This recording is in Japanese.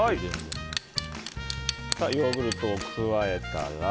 ヨーグルトを加えたら。